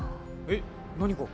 えっ何が？